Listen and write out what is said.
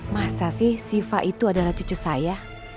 masa sih siva itu adalah cucu saya